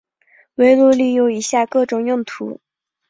围炉里有以下各种用途。